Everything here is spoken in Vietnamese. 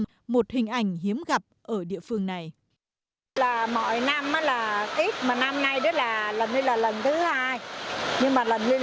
đây là một hình ảnh hiếm gặp ở địa phương nam